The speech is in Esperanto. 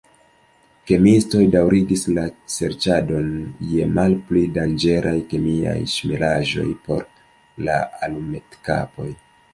Kemiistoj daŭrigis la serĉadon je malpli danĝeraj kemiaj ŝmiraĵoj por la alumetkapoj.